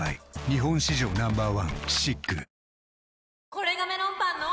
これがメロンパンの！